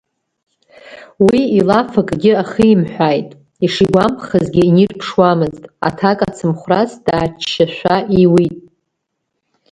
Уи илаф акгьы ахимҳәааит, ишигәамԥхазгьы инирԥшуамызт, аҭак ацымхәрас дааччашәа иуит.